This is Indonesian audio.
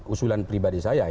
usulan pribadi saya